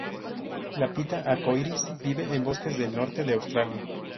La pita arcoíris vive en bosques del norte de Australia.